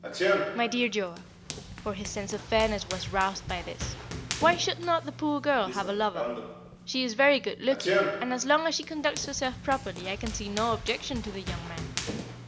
"My dear Joa" for his sense of fairness was roused by this "why should not the poor girl have a lover? She is very good looking, and as long as she conducts herself properly I can see no objection to the young man."